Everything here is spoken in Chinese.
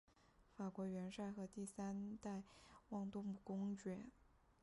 法国元帅和第三代旺多姆公爵。